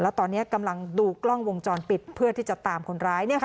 แล้วตอนนี้กำลังดูกล้องวงจรปิดเพื่อที่จะตามคนร้าย